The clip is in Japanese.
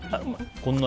こんなに。